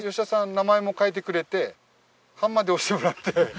名前も書いてくれて判まで押してもらって。